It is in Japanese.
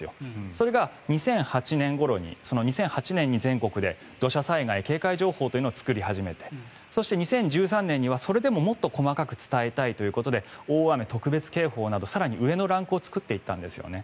それが２００８年ごろに２００８年に全国で土砂災害警戒情報というのを作り始めてそして、２０１３年にはそれでも、もっと細かく伝えたいということで大雨特別警報など更に上のランクを作っていったんですね。